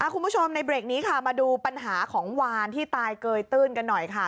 คุณผู้ชมในเบรกนี้ค่ะมาดูปัญหาของวานที่ตายเกยตื้นกันหน่อยค่ะ